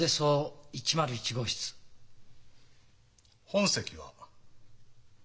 本籍は？